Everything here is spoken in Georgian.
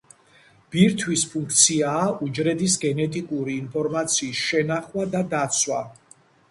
ბირთვის ფუნქციაა უჯრედის გენეტიკური ინფორმაციის შენახვა და დაცვა.